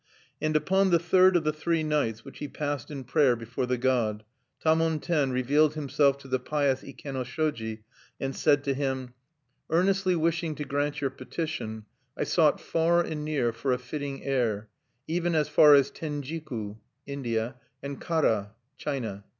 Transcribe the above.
And upon the third of the three nights which he passed in prayer before the god, Tamon Ten revealed himself to the pious Ikenoshoji and said to him: "Earnestly wishing to grant your petition, I sought far and near for a fitting heir, even as far as Tenjiku (India) and Kara (China).